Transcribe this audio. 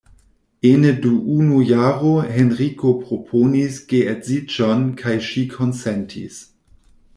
Ene du unu jaro Henriko proponis geedziĝon kaj ŝi konsentis.